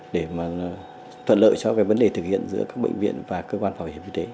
để mà thuận lợi cho cái vấn đề thực hiện giữa các bệnh viện và cơ quan bảo hiểm y tế